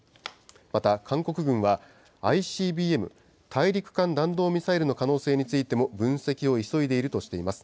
また、韓国軍はＩＣＢＭ・大陸間弾道ミサイルの可能性についても分析を急いでいるとしています。